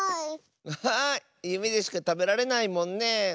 アハーゆめでしかたべられないもんね。